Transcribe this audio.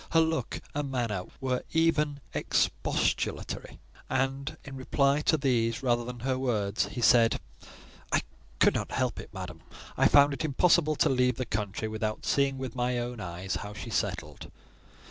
Her look and manner were even expostulatory; and in reply to these, rather than her words, he said,—"I could not help it, madam: I found it impossible to leave the country without seeing with my own eyes how she settled."